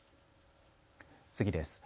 次です。